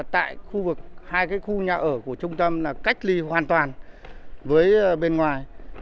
tại hai khu nhà ở của trung tâm cách ly hoàn toàn với bên ngoài